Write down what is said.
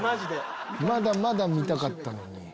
まだまだ見たかったのに。